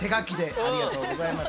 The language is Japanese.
ありがとうございます。